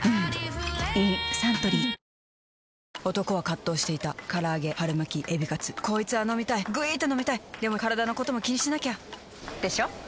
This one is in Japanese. サントリー男は葛藤していた唐揚げ春巻きエビカツこいつぁ飲みたいぐいーーっと飲みたいでもカラダのことも気にしなきゃ！でしょ？